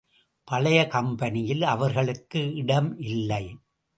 பழைய கம்பெனியில் அவர்களுக்கு இடம் இல்லை.